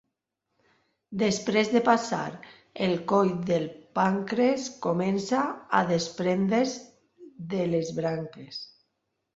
Després de passar el coll del pàncrees comença a despendre's de les branques.